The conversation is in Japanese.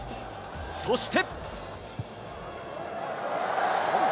そして。